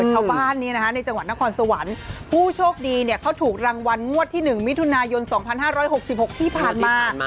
ชาวบ้านในจังหวัดนครสวรรค์ผู้โชคดีเขาถูกรางวัลงวดที่๑มิถุนายน๒๕๖๖ที่ผ่านมา